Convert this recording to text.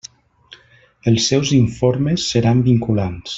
Els seus informes seran vinculants.